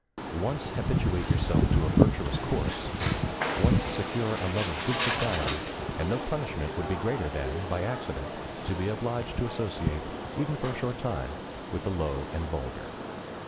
Once habituate yourself to a virtuous course, once secure a love of good society, and no punishment would be greater than, by accident, to be obliged to associate, even for a short time, with the low and vulgar.